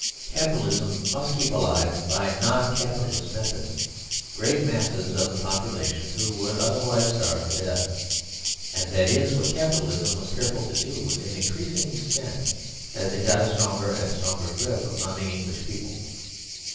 Capitalism must keep alive, by non Capitalist methods, great masses of the population who would otherwise starve to death; and that is what Capitalism was careful to do to an increasing extent as it got a stronger and a stronger grip upon the English people.